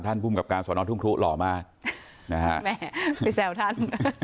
ท่านผู้กำกับการสอนอทุ่งครูหล่อมากแม่ไปแซวท่าน